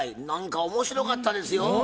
何か面白かったですよ。